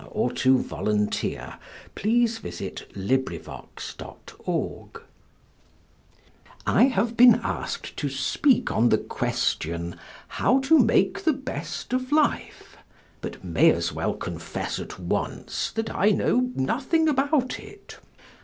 HOW TO MAKE THE BEST OF LIFE I have been asked to speak on the question how to make the best of life, but may as well confess at once that I know nothing about it.